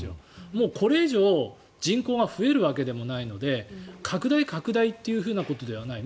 もうこれ以上人口が増えるわけでもないので拡大拡大っていうことではない。